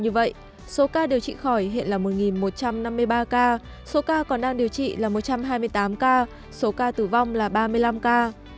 như vậy số ca điều trị khỏi hiện là một một trăm năm mươi ba ca số ca còn đang điều trị là một trăm hai mươi tám ca số ca tử vong là ba mươi năm ca